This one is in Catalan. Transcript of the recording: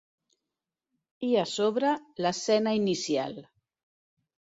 I, a sobre, l'escena inicial.